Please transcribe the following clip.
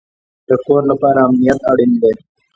د کور لپاره امنیت اړین دی